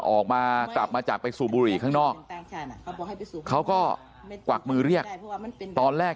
ออกมากลับมาจากไปสูบบุหรี่ข้างนอกเขาก็กวักมือเรียกตอนแรก